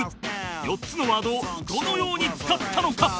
４つのワードをどのように使ったのか？